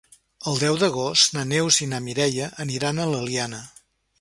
El deu d'agost na Neus i na Mireia aniran a l'Eliana.